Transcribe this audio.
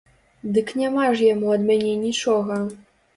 Дык няма ж яму ад мяне нічога.